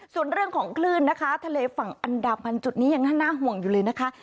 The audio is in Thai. ส่วนเรื่องของคลื่นนะคะทะเลฝั่งอันดามันจุดนี้ยังน่าห่วงอยู่เลยนะคะ